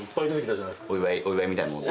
お祝いみたいなもん。